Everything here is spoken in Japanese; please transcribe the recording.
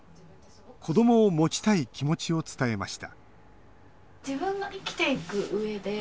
子どもを持ちたい気持ちを伝えました